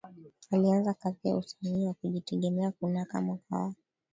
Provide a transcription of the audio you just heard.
Alianza kazi ya usanii wa kujitegemea kunako mwaka wa